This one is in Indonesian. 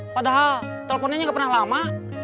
padahal teleponnya nggak pernah lama